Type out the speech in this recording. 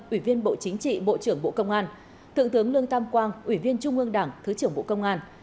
ủy viên bộ chính trị bộ trưởng bộ công an thượng tướng lương tam quang ủy viên trung ương đảng thứ trưởng bộ công an